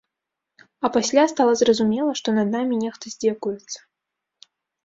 А пасля стала зразумела, што над намі нехта здзекуецца.